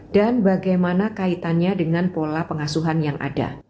dan bagaimana kaitannya dengan pola pengasuhan yang ada